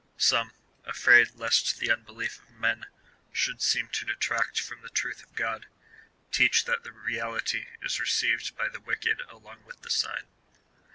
Some, afraid lest the unbelief of men should seem to detract from the truth of God, teach that the re ality is received by the Avicked along with the sign.